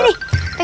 nah ya udah